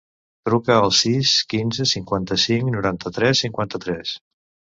Truca al sis, quinze, cinquanta-cinc, noranta-tres, cinquanta-tres.